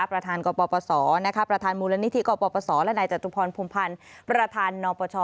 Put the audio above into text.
ประธานกรปศนะคะประธานมูลนิธิกรปศและในจตุพรภุมภัณฑ์ประธานนปช